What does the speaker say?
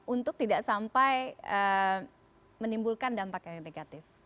untuk tidak sampai menimbulkan dampak yang negatif